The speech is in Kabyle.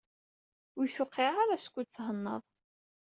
Ur yi-tewqiɛ ara, skud thennaḍ.